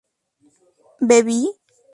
¿bebí?